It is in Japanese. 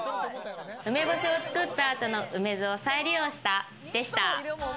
梅干を作った後の梅酢を再利用したでした。